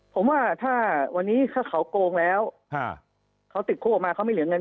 ผมว่าถ้าวันนี้ถ้าเขาโกงแล้วเขาติดคุกออกมาเขาไม่เหลือเงิน